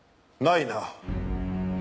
ないな。